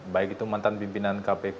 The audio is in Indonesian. baik itu mantan pimpinan kpk